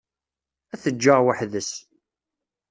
Ad t-ǧǧeɣ weḥd-s.